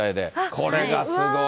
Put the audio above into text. これがすごい。